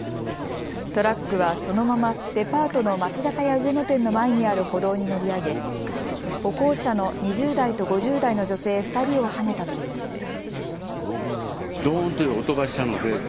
トラックはそのままデパートの松坂屋上野店の前にある歩道に乗り上げ歩行者の２０代と５０代の女性２人をはねたということです。